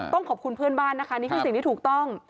ขอบคุณเพื่อนบ้านนะคะนี่คือสิ่งที่ถูกต้อง